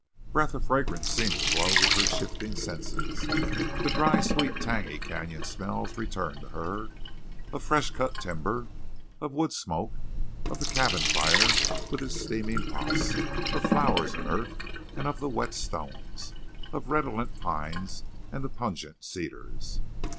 A breath of fragrance seemed to blow with her shifting senses. The dry, sweet, tangy canyon smells returned to her—of fresh cut timber, of wood smoke, of the cabin fire with its steaming pots, of flowers and earth, and of the wet stones, of the redolent pines and the pungent cedars.